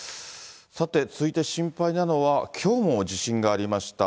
さて、続いて心配なのは、きょうも地震がありました。